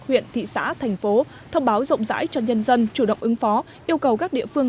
huyện thị xã thành phố thông báo rộng rãi cho nhân dân chủ động ứng phó yêu cầu các địa phương